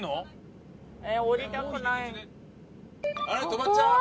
止まっちゃう。